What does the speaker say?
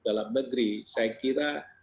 dalam negeri saya kira